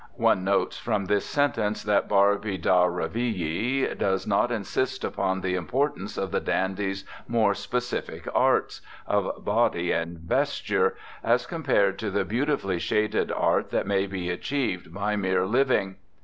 One notes from this sentence that Barbey d'Aurevilly does not insist upon the importance of the dandy's more specific arts of body and vesture as compared to the beauti fully shaded art that may be achieved by mere living.